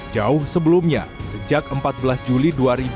jauh sebelumnya sejak empat belas juli dua ribu dua puluh